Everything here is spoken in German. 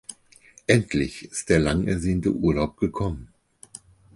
Endlich ist der langersehnte Urlaub gekommen.